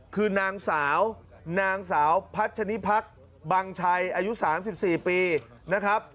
คือนางสาวนางสาวพัชนิพักษ์บังชัยอายุ๓๔ปีนะครับ